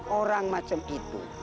orang macam itu